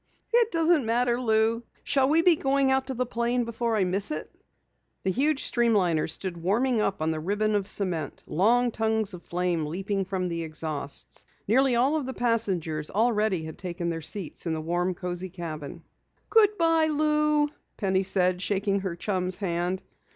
"It doesn't matter, Lou. Shall we be going out to the plane before I miss it?" The huge streamliner stood warming up on the ribbon of cement, long tongues of flame leaping from the exhausts. Nearly all of the passengers already had taken their seats in the warm, cozy cabin. "Good bye, Lou," Penny said, shaking her chum's hand.